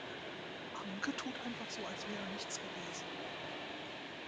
Anke tut einfach so, als wäre nichts gewesen.